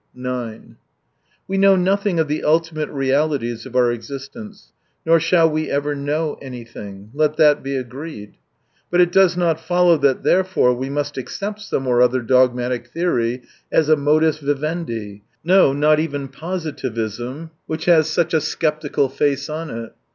, 9 We know nothmg of the ultimate realities of our existence, nor shall we ever know anything. Let that be agreed. But it does not follow that therefore we must accept some or other dogmatic theory as a modus Vivendi, no, not even positivism, 22 which has such a sceptical face on it".